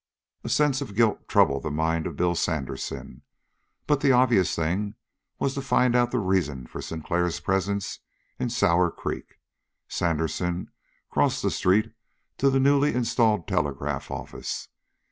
A sense of guilt troubled the mind of Bill Sandersen, but the obvious thing was to find out the reason for Sinclair's presence in Sour Creek. Sandersen crossed the street to the newly installed telegraph office.